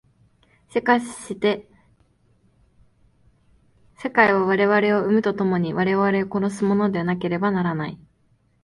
しかして世界は我々を生むと共に我々を殺すものでなければならない。